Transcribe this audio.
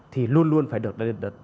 thì luôn luôn phải được đạt được